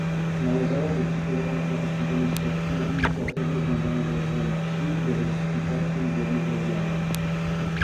Należałoby przekierować zaoszczędzone środki na inicjatywy związane z rozwojem wsi i dywersyfikacją biednych regionów